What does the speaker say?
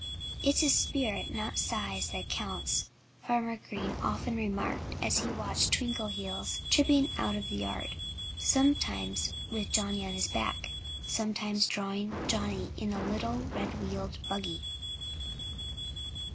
"It's spirit, not size, that counts," Farmer Green often remarked as he watched Twinkleheels tripping out of the yard, sometimes with Johnnie on his back, sometimes drawing Johnnie in a little, red wheeled buggy.